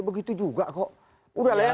begitu juga kok udahlah